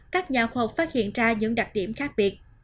các nhà khoa học phát hiện ra những đặc điểm khác biệt